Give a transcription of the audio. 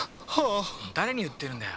だれにいってるんだよ。